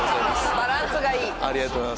バランスがいい。